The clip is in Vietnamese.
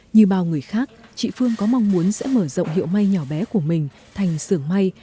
như bao người khác chị phương có mong muốn sẽ mở rộng hiệu may nhỏ bé của mình thành sưởng may